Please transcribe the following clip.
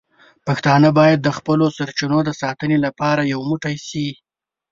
پښتانه باید د خپلو سرچینو د ساتنې لپاره یو موټی شي.